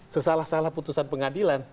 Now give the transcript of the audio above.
sesalah salah putusan pengadilan